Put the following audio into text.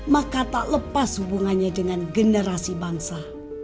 maka tak lepas hubungannya dengan generasi bangsa